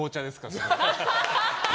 それ。